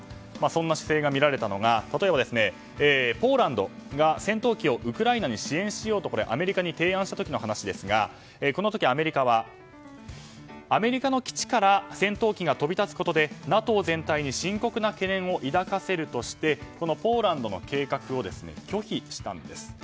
そんな姿勢が見られたのは例えば、ポーランドが戦闘機をウクライナに支援しようとアメリカに提案した時の話ですがこの時アメリカはアメリカの基地から戦闘機が飛び立つことでＮＡＴＯ全体に深刻な懸念を抱かせるとしてこのポーランドの計画を拒否したんです。